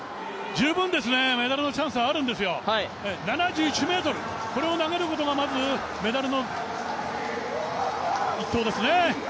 十分メダルのチャンスはあるんですよ、７１ｍを投げることが、まずメダルの一投ですね。